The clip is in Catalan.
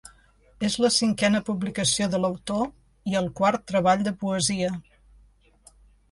És la cinquena publicació de l’autor i el quart treball de poesia.